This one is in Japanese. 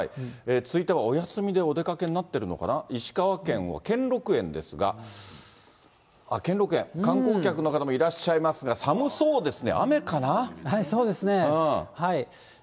続いてはお休みでお出かけになっているのかな、石川県は兼六園ですが、兼六園、観光客の方もいらっしゃいますが、寒そうですね、そうですね。